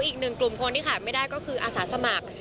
อีกหนึ่งกลุ่มคนที่ขาดไม่ได้ก็คืออาสาสมัคร